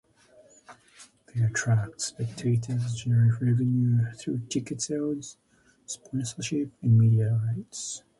They attract spectators, generate revenue through ticket sales, sponsorships, and media rights.